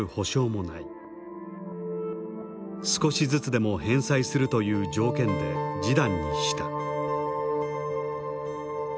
少しずつでも返済するという条件で示談にした。